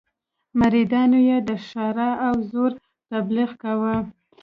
مریدانو یې د ښرا او زور تبليغ کاوه.